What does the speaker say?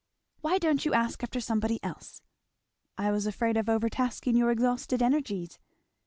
"Why don't you ask after somebody else?" "I was afraid of overtasking your exhausted energies."